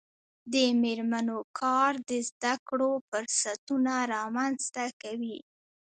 د میرمنو کار د زدکړو فرصتونه رامنځته کوي.